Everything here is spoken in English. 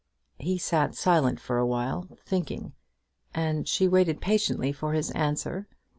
He sat silent for awhile, thinking, and she waited patiently for his answer.